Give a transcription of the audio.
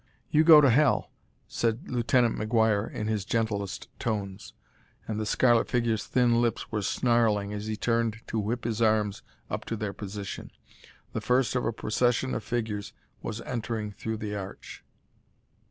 "You go to hell," said Lieutenant McGuire in his gentlest tones. And the scarlet figure's thin lips were snarling as he turned to whip his arms up to their position. The first of a procession of figures was entering through the arch.